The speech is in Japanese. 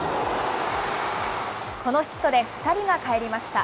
このヒットで２人がかえりました。